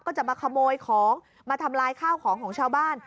จะมาขโมยของมาทำลายข้าวของของชาวบ้าน